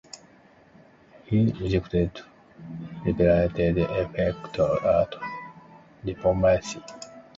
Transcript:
He rejected repeated efforts at diplomacy.